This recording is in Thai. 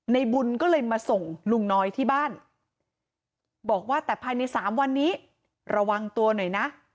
ในบุญก็เลยมาส่งลุงน้อยที่บ้านบอกว่าแต่ภายในสามวันนี้ระวังตัวหน่อยนะ